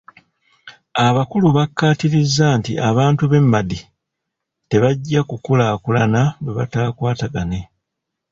Abakulu bakkaatiriza nti abantu b'e Madi tebajja kukulaakulana bwe bataakwatagane.